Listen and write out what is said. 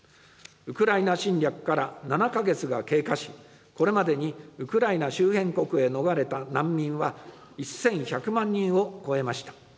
ウクライナ侵略から７か月が経過し、これまでにウクライナ周辺国へ逃れた難民は１１００万人を超えました。